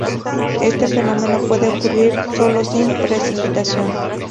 Este fenómeno puede ocurrir solo sin precipitación.